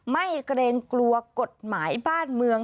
เกรงกลัวกฎหมายบ้านเมือง